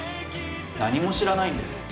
何も知らないんだよ。